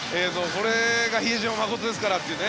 これが比江島慎ですからというね。